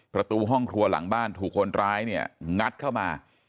ประตูห้องครัวหลังบ้านถูกคนร้ายเนี่ยงัดเข้ามา